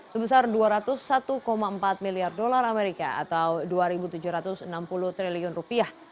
sebesar dua ratus satu empat miliar dolar amerika atau dua tujuh ratus enam puluh triliun rupiah